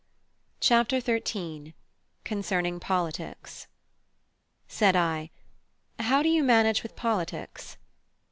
CHAPTER XIII: CONCERNING POLITICS Said I: "How do you manage with politics?"